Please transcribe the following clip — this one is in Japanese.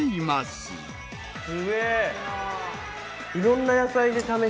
すげえ！